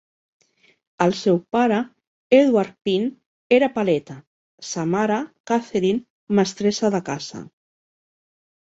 El seu pare, Edward Pyne, era paleta; sa mare, Catherine, mestressa de casa.